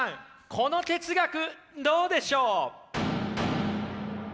この哲学どうでしょう？